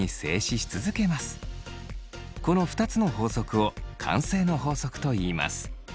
この２つの法則を慣性の法則といいます。